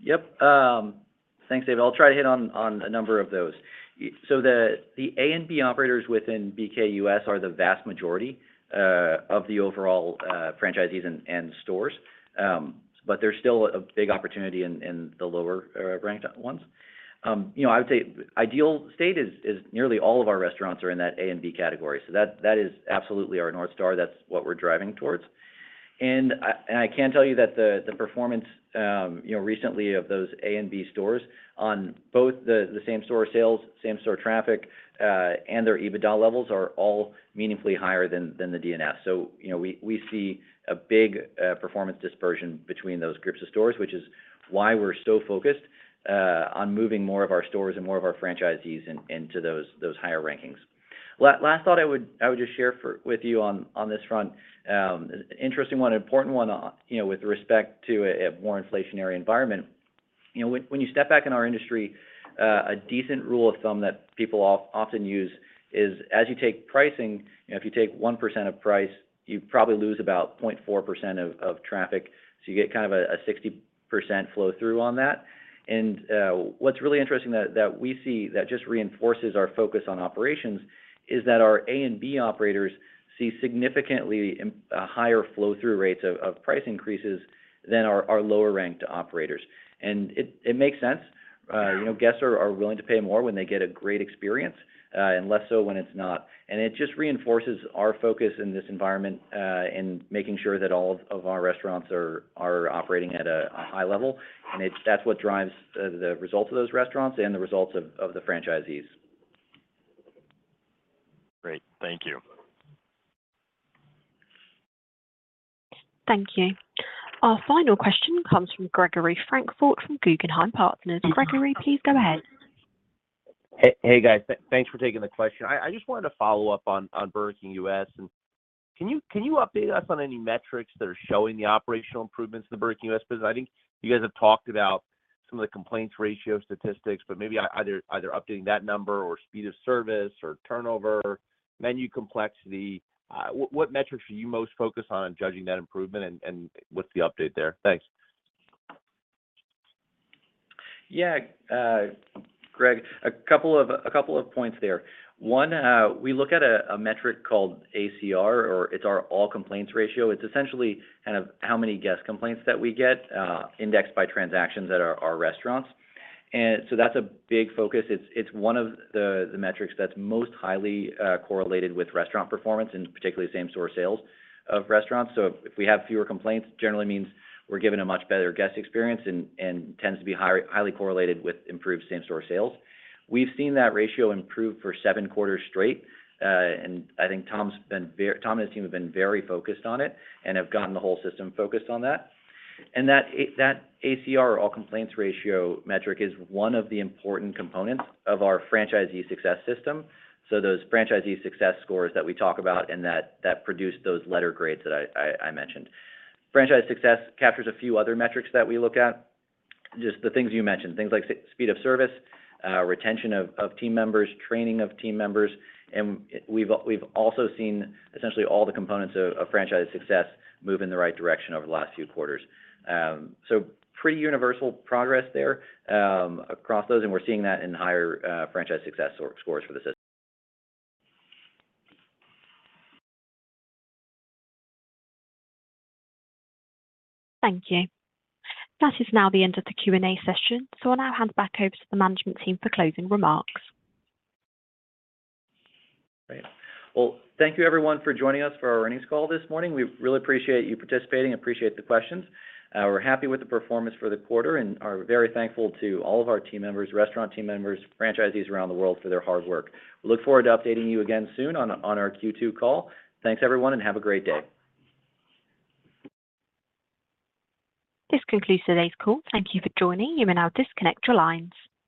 Yep. Thanks, David. I'll try to hit on a number of those. So the A and B operators within BK-US are the vast majority of the overall franchisees and stores. There's still a big opportunity in the lower ranked ones. You know, I would say ideal state is nearly all of our restaurants are in that A and B category, so that is absolutely our North Star. That's what we're driving towards. I can tell you that the performance, you know, recently of those A and B stores on both the same store sales, same store traffic, and their EBITDA levels are all meaningfully higher than the DNF. you know, we see a big performance dispersion between those groups of stores, which is why we're so focused on moving more of our stores and more of our franchisees into those higher rankings. Last thought I would just share with you on this front. Interesting one, important one, you know, with respect to a more inflationary environment. You know, when you step back in our industry, a decent rule of thumb that people often use is as you take pricing, you know, if you take 1% of price, you probably lose about 0.4% of traffic, so you get kind of a 60% flow through on that. What's really interesting that we see that just reinforces our focus on operations is that our A and B operators see significantly higher flow through rates of price increases than our lower ranked operators. It makes sense. You know, guests are willing to pay more when they get a great experience and less so when it's not. It just reinforces our focus in this environment in making sure that all of our restaurants are operating at a high level. That's what drives the results of those restaurants and the results of the franchisees. Great. Thank you. Thank you. Our final question comes from Gregory Francfort from Guggenheim Partners. Gregory, please go ahead. Hey guys, thanks for taking the question. I just wanted to follow up on Burger King US. Can you update us on any metrics that are showing the operational improvements in the Burger King US business? I think you guys have talked about some of the complaints ratio statistics, but maybe either updating that number or speed of service or turnover, menu complexity. What metrics are you most focused on judging that improvement and what's the update there? Thanks. Greg, a couple of points there. One, we look at a metric called ACR or it's our all complaints ratio. It's essentially kind of how many guest complaints that we get indexed by transactions at our restaurants. That's a big focus. It's one of the metrics that's most highly correlated with restaurant performance and particularly same store sales of restaurants. If we have fewer complaints, generally means we're giving a much better guest experience and tends to be highly correlated with improved same store sales. We've seen that ratio improve for 7 quarters straight. I think Tom and his team have been very focused on it and have gotten the whole system focused on that. That ACR or all complaints ratio metric is one of the important components of our franchise success system. Those franchisee success scores that we talk about and that produce those letter grades that I mentioned. Franchise success captures a few other metrics that we look at, just the things you mentioned, things like speed of service, retention of team members, training of team members. We've also seen essentially all the components of franchise success move in the right direction over the last few quarters. Pretty universal progress there, across those, and we're seeing that in higher, franchise success scores for the system. Thank you. That is now the end of the Q&A session. I'll now hand back over to the management team for closing remarks. Great. Well, thank you everyone for joining us for our earnings call this morning. We really appreciate you participating. Appreciate the questions. We're happy with the performance for the quarter and are very thankful to all of our team members, restaurant team members, franchisees around the world for their hard work. We look forward to updating you again soon on our Q2 call. Thanks everyone. Have a great day. This concludes today's call. Thank you for joining. You may now disconnect your lines.